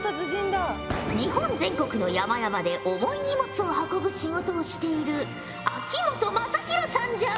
日本全国の山々で重い荷物を運ぶ仕事をしている秋本真宏さんじゃ。